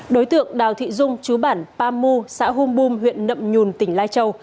đối tượng đào thị dung chú bản pamu xã hung bum huyện nậm nhùn tỉnh lai châu